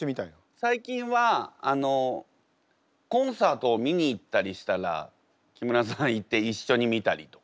最近はコンサートを見に行ったりしたら木村さんいて一緒に見たりとか。